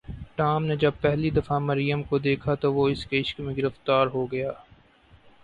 Tom نے جب پہلی دفعہ مریم کو دیکھا تو وہ اس کے عشق میں گرفتار ہو گیا۔